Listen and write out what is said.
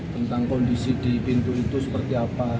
tentang kondisi di pintu itu seperti apa